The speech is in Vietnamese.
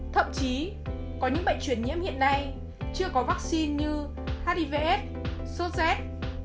thậm chí có những bệnh truyền nhiễm hiện nay chưa có vắc xin như hivs soset